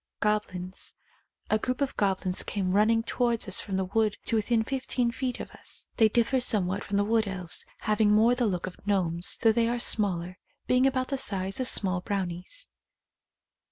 Goblins. A group of goblins came run ning towards us from the wood to within fif teen feet of us. They differ somewhat from the wood elves, having more the look of gnomes, though they are smaller, being about the size of small brownies.